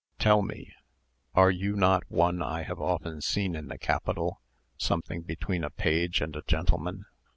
Tell me, are you not one I have often seen in the capital, something between a page and a gentleman?